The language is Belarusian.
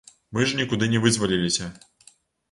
Мы ж нікуды не вызваліліся.